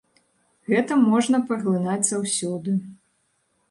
Гэта можна паглынаць заўсёды.